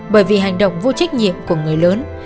bởi vì hành động vô trách nhiệm của người lớn